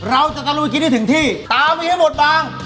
ตะลุยกินให้ถึงที่ตามไปให้หมดบาง